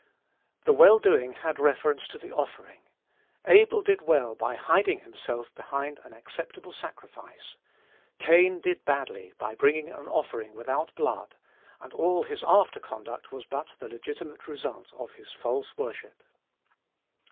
The well doing had reference to the offering. Abel did well by hiding himself behind an acceptable sacrifice. Cain did badly by bringing an offering without blood; and all his after conduct was but the legitimate result of his false worship.